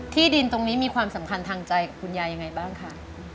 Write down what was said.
ที่ดินตรงนี้มีความสำคัญทางใจกับคุณยายยังไงบ้างคะ